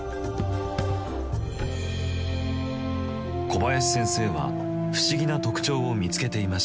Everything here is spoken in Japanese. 小林先生は不思議な特徴を見つけていました。